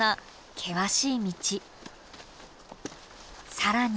更に。